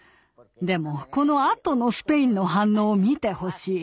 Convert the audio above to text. でもこのあとのスペインの反応を見てほしい。